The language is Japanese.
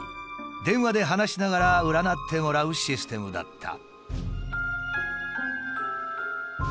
電話で話しながら占ってもらうシステムだった。